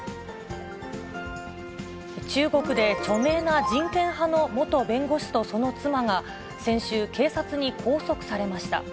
中国で著名な人権派の元弁護士とその妻が、先週、警察に拘束されました。